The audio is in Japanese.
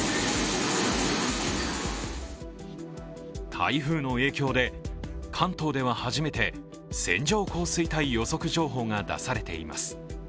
台風の影響で関東では初めて線状降水帯予測情報が出されています。